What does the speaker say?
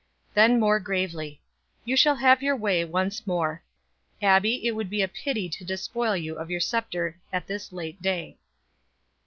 Then more gravely: "You shall have your way once more. Abbie, it would be a pity to despoil you of your scepter at this late day."